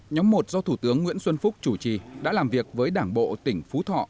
nhóm một do thủ tướng nguyễn xuân phúc chủ trì đã làm việc với đảng bộ tỉnh phú thọ